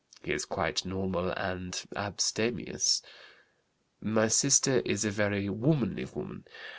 He is quite normal and abstemious. "My sister is a very womanly woman.